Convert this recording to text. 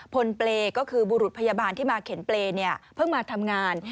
พลเปรย์ก็คือบุรุษพยาบาลที่มาเข็นเปรย์เพิ่งมาทำงาน